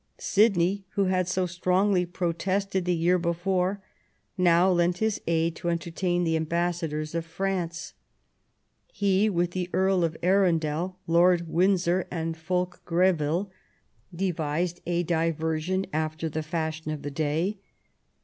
Sidney, who had so strongly protested the year before, now lent his aid to entertain the ambassadors of France. He, with the Earl of Arundel, Lord Windsor, and Fulke Greville, devised a diversion after the fashion of the day.